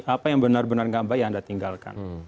apa yang benar benar nggak baik ya anda tinggalkan